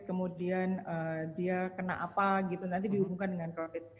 kemudian dia kena apa gitu nanti dihubungkan dengan covid